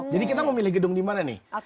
jadi kita mau milih gedung di mana nih